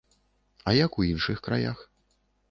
А як у іншых краях?